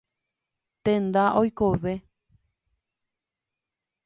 Tenda oikove.